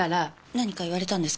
何か言われたんですか？